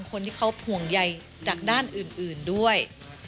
คนที่เขาห่วงใยจากด้านอื่นด้วย